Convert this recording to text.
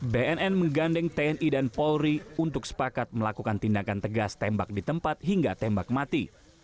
bnn menggandeng tni dan polri untuk sepakat melakukan tindakan tegas tembak di tempat hingga tembak mati